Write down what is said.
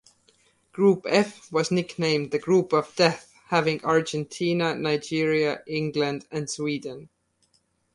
Group F was nicknamed the "Group of Death", having Argentina, Nigeria, England, and Sweden.